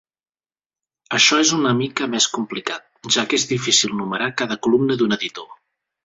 Això és una mica més complicat, ja que és difícil numerar cada columna d'un editor.